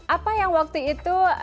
apa yang waktu itu